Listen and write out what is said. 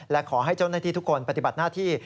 และขอให้เจ้าหน้าที่ทุกคนปฏิบัติหน้าที่